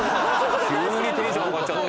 急にテンション上がっちゃって。